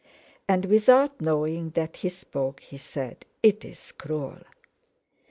And, without knowing that he spoke, he said: "It's cruel!"